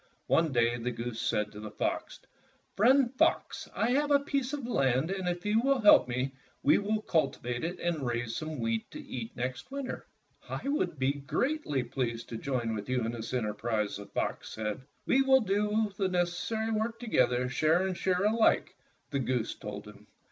One day the goose said to the fox, ''Friend Fox, I have a piece of land, and if you will help me, we will cultivate it and raise some wheat to eat next winter." "I would be greatly pleased to join with you in this enterprise," the fox said. "We will do all the necessary work to gether, share and share alike," the goose told him.